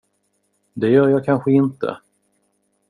Det gör jag kanske inte.